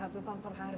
satu ton per hari